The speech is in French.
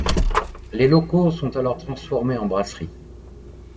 Les locaux sont alors transformés en brasserie.